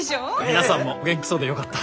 皆さんもお元気そうでよかった。